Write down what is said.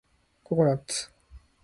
ココナッツ